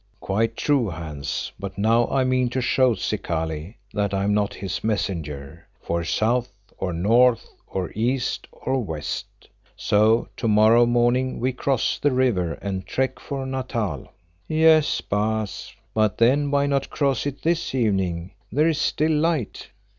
"Quite true, Hans, but now I mean to show Zikali that I am not his messenger, for south or north or east or west. So to morrow morning we cross the river and trek for Natal." "Yes, Baas, but then why not cross it this evening? There is still light."